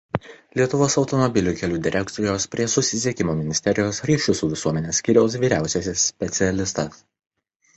Lietuvos automobilių kelių direkcijos prie Susisiekimo ministerijos Ryšių su visuomene skyriaus vyriausiasis specialistas.